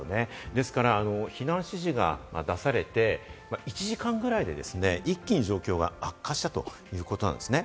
ですから避難指示が出されて１時間くらいで一気に状況が悪化したということなんですね。